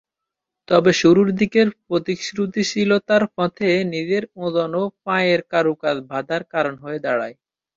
তবে শুরুরদিকের প্রতিশ্রুতিশীলতার পথে নিজের ওজন ও পায়ের কারুকাজ বাঁধার কারণ হয়ে দাঁড়ায়।